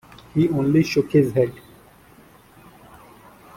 He only shook his head.